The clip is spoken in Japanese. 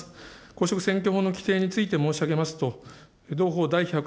公職選挙法の規定について申し上げますと、同法１４３条